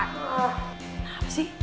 nah apa sih